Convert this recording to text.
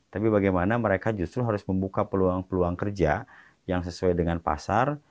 tapi bagaimana mereka justru harus membuka peluang peluang kerja yang sesuai dengan pasar